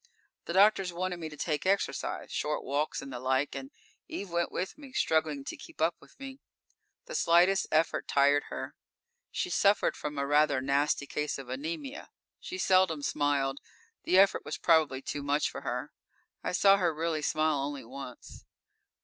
_ _The doctors wanted me to take exercise short walks and the like, and Eve went with me, struggling to keep up with me. The slightest effort tired her. She suffered from a rather nasty case of anemia. She seldom smiled; the effort was probably too much for her. I saw her really smile only once.